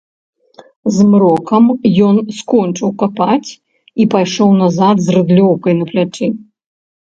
Змрокам ён скончыў капаць і пайшоў назад з рыдлёўкай на плячы.